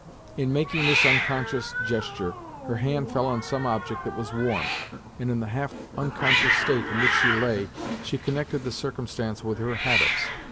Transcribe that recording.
In making this unconscious gesture, her hand fell on some object that was warm, and in the half unconscious state in which she lay, she connected the circumstance with her habits.